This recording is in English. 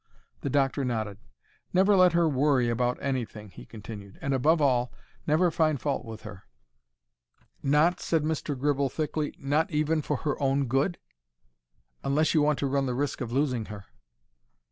The doctor nodded. "Never let her worry about anything," he continued; "and, above all, never find fault with her." "Not," said Mr. Gribble, thickly—"not even for her own good?" "Unless you want to run the risk of losing her."